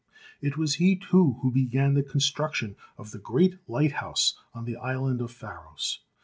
It was he, too, who began the construction of the great light house on the island of Pharos.